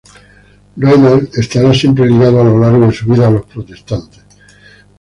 Raynal estará siempre ligado a lo largo de su vida a los protestantes.